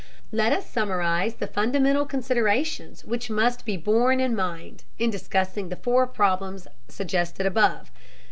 Let us summarize the fundamental considerations which must be borne in mind in discussing the four problems suggested above.